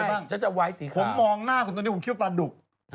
ฉันจะไว้สีผมมองหน้าคุณตรงนี้ผมคิดว่าปลาดุก